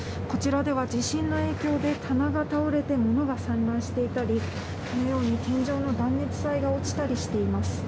こちらでは地震の影響で棚が倒れてものが散乱していたり天井の断熱材が落ちたりしています。